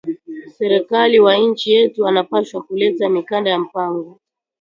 Serkali wa inchi yetu ana pashwa ku leta mikanda ya mpango